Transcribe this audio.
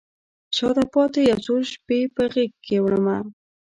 شاته پاته یو څو شپې په غیږکې وړمه